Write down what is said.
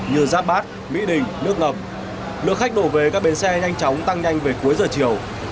như giáp bát mỹ đình nước ngập lượng khách đổ về các bến xe nhanh chóng tăng nhanh về cuối giờ chiều